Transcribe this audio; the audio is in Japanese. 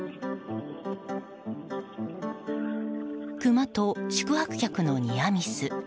クマと宿泊客のニアミス。